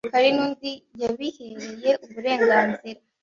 Hari n’undi yabihereye uburenganzira